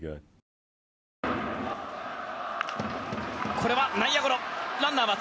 これは内野ゴロ。